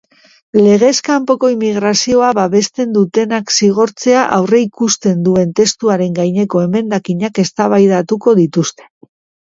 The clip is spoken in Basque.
Legez kanpoko immigrazioa babesten dutenak zigortzea aurreikusten duen testuaren gaineko emendakinak eztabaidatuko dituzte.